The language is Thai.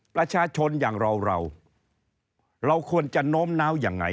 ประชาชนอย่างเราเราควรจะโน้มน้าวยังไง